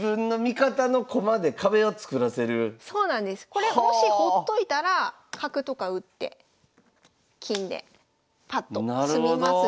これもしほっといたら角とか打って金でパッとなるほど！